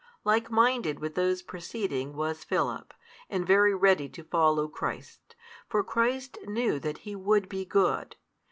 Likeminded with those preceding was Philip, and very ready to follow Christ. For Christ knew that he would be good.